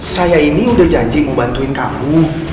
saya ini udah janji ngebantuin kamu